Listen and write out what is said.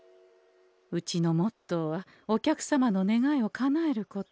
うちのモットーはお客様の願いをかなえること。